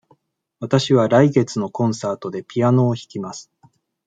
わたしは来月のコンサートでピアノを弾きます。